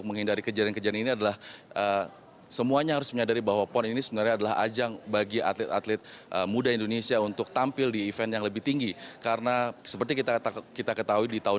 pon ke sembilan belas jawa barat